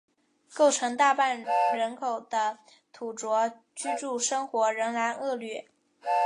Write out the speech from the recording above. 构成大半人口的土着居住生活仍然恶劣。